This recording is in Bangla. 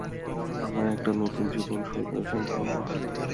আমার একটা নতুন জীবন শুরু হয়েছিলো, পোন্নি।